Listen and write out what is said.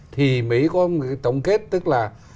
thì mỹ có một cái tổng kết tức là